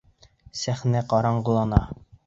Сәхнә ҡараңғылана.